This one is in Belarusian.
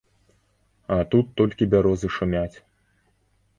А тут толькі бярозы шумяць.